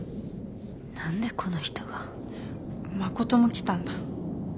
何でこの人が？真琴も来たんだ。